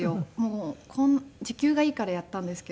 時給がいいからやったんですけど。